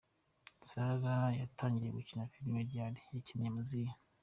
Sarah yatangiye gukina filime ryari, yakinnye mu zihe?.